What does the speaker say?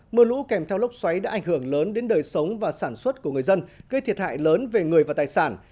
mưa lũ kèm theo lốc xoáy đã ảnh hưởng lớn đến đời sống và sản xuất của người dân gây thiệt hại lớn về người và tài sản